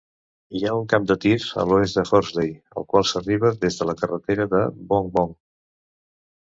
Hi ha un camp de tir a l'oest de Horsley, al qual s'arriba des de la carretera de Bong Bong.